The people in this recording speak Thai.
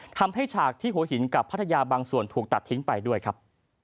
ฉากที่หัวหินกับพัทยาบางส่วนถูกตัดทิ้งไปด้วยครับ